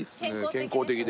健康的で。